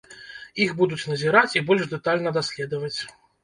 Іх будуць назіраць і больш дэтальна даследаваць.